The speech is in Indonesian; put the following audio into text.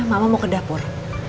mama mau ke dapur